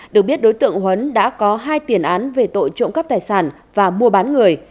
được biết đối tượng huấn đã có hai tiền án về tội trộm cắp tài sản và mua bán người